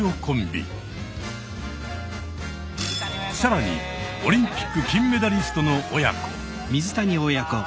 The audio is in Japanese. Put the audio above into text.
更にオリンピック金メダリストの親子。